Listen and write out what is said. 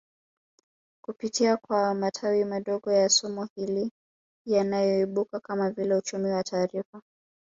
Kupitia kwa matawi madogo ya somo hili yanayoibuka kama vile uchumi wa taarifa